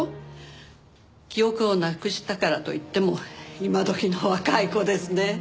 記憶をなくしたからといっても今どきの若い子ですね。